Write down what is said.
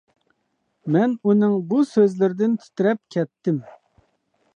مەن ئۇنىڭ بۇ سۆزلىرىدىن تىترەپ كەتتىم.